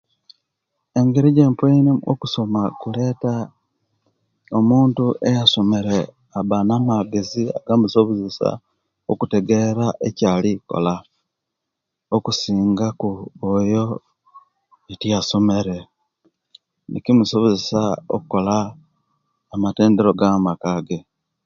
Engeri ejjempoinemu okusoma kuleta omuntu eyasomere abba na'magezi agamusobozesia okutegera ekyalikola okusinga ku oyo etiyasomere nikimusobozesia okukola amatendero aga'maka ge